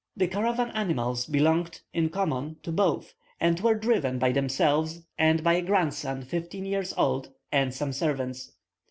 The caravan animals belonged, in common, to both, and were driven by themselves, and by a grandson fifteen years old, and some servants.